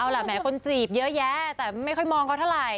เอาล่ะแหมคนจีบเยอะแยะแต่ไม่ค่อยมองเขาเท่าไหร่